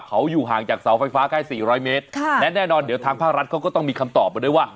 เขาอยู่ห่างจากเสาไฟฟ้าแค่สี่ร้อยเมตรค่ะและแน่นอนเดี๋ยวทางภาครัฐเขาก็ต้องมีคำตอบมาด้วยว่า